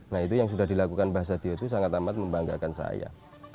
nah itu yang sudah dilakukan mbah sadio itu sangat amat membanggakan saya